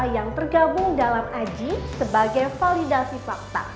yang tergabung dalam aji sebagai validasi fakta